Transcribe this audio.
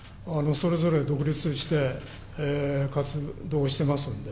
それぞれ独立して、活動してますんで。